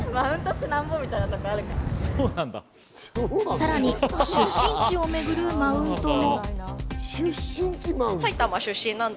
さらに出身地を巡るマウントも。